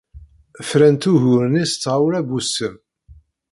Frant ugur-nni s tɣawla n wusem.